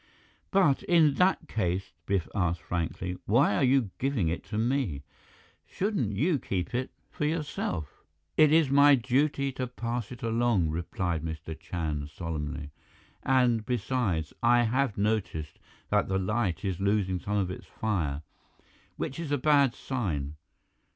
"But in that case," Biff asked frankly, "why are you giving it to me? Shouldn't you keep it for yourself?" "It is my duty to pass it along," replied Mr. Chand solemnly, "and besides, I have noticed that the Light is losing some of its fire, which is a bad sign.